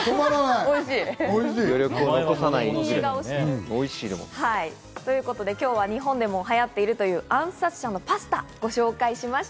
おいしい！ということで今日は日本でも流行っているという暗殺者のパスタをご紹介しました。